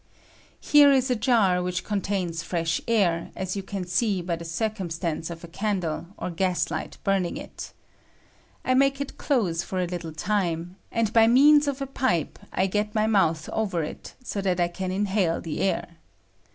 Here is a jar which contains fresh air, as you can see by the circumstance of a candle or gas light burning it. I make it close for a little time, w PK0D0CT3 OF RE3P1HATI0N. and by meana of a pipe I get my montli over it so that I can inhale the air.